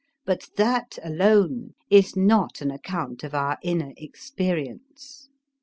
But that alone is not an account of our inner experience.